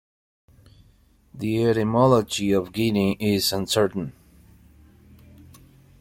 The etymology of "Guinea" is uncertain.